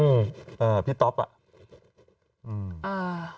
อื้อพี่ต๊อบอ่ะ